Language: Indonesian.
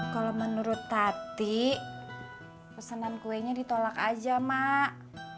kalo menurut tati pesenan kuenya ditolak aja mak